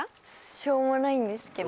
しょうもないんですけど。